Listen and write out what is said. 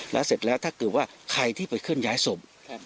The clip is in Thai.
และถ้าเกิดว่าใครที่ไปเคลื่อนย้ายศพ